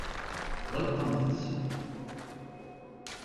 Ɣelqemt-t.